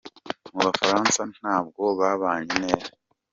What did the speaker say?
Mu bufaransa nta bwo babanye neza.